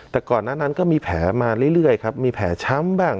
แต่ก่อนหน้านั้นก็มีแผลมาเรื่อยครับมีแผลช้ำบ้าง